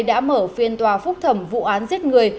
đã mở phiên tòa phúc thẩm vụ án giết người